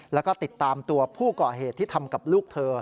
แล้วก็ติดตามตัวผู้ก่อเหตุที่ทำกับลูกเธอ